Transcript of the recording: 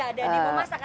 ada demo masak